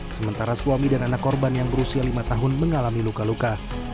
sementara suami dan anak korban yang berusia lima tahun mengalami luka luka